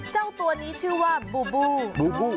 เจ้าตัวนี้ชื่อว่าบูบูบูบู